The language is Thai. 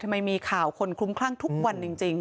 ทำไมมีข่าวคนคุ้มข้างทุกวันจริง